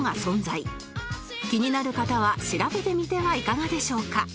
気になる方は調べてみてはいかがでしょうか